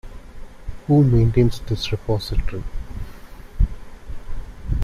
Who maintains this repository?